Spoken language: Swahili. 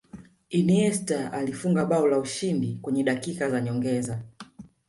iniesta alifunga bao la ushindi kwenye dakika za nyongeza